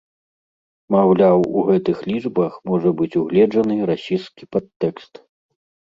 Маўляў, у гэтых лічбах можа быць угледжаны расісцкі падтэкст.